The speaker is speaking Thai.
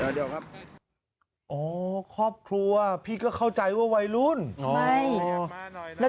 เดี๋ยวครับอ๋อครอบครัวพี่ก็เข้าใจว่าวัยรุ่นอ๋อ